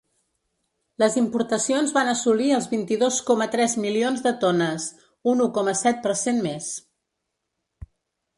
Les importacions van assolir els vint-i-dos coma tres milions de tones, un u coma set per cent més.